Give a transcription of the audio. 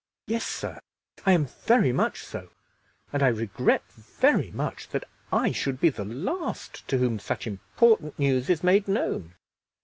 "Yes, sir, I am very much so; and I regret very much that I should be the last to whom such important news is made known."